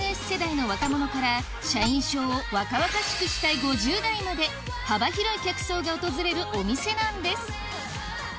ＳＮＳ世代の若者から社員証を若々しくしたい５０代まで幅広い客層が訪れるお店なんです